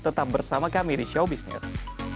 tetap bersama kami di showbiz news